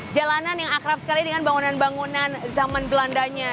jalanan yang akrab sekali dengan bangunan bangunan zaman belandanya